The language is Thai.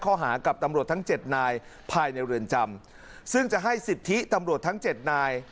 กับตำรวจทั้งเจ็ดนายภายในเรือนจำซึ่งจะให้สิทธิตำรวจทั้งเจ็ดนาย